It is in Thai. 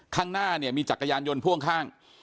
ข้างหน้าเนี่ยมีจักรยานยนต์พ่วงข้าง